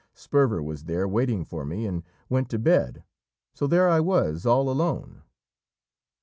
Sperver was there waiting for me, and went to bed; so there I was, all alone."